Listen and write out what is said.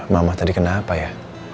mama tadi kenapa ya